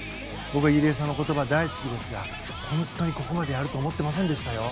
僕、入江さんの言葉が大好きですが本当にここまでやると思ってませんでしたよ。